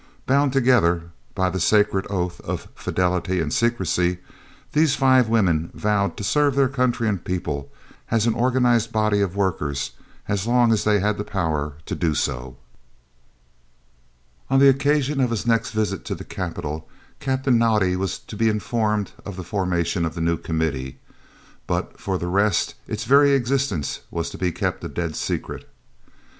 Bound together by the sacred oath of fidelity and secrecy, these five women vowed to serve their country and people, as an organised body of workers, as long as they had the power to do so. On the occasion of his next visit to the capital Captain Naudé was to be informed of the formation of the new Committee, but for the rest its very existence was to be kept a dead secret.